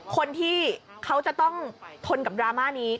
คนที่เขาจะต้องทนกับดราม่านี้